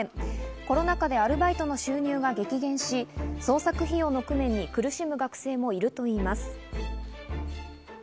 コロナ禍でアルバイトの収入が激減し、創作費用の工面に苦しむ学生もいるといいます。